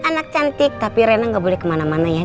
anak cantik tapi rena gak boleh kemana mana ya